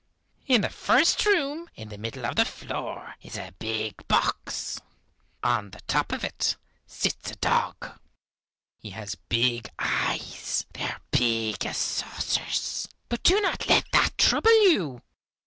In the first room in the middle of the floor, is a big box. On the top of it sits a dog. He has big eyes, they are as big as saucers, but do not let that trouble you.